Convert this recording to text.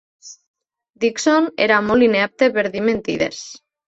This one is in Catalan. Dickson era molt inepte per dir mentides.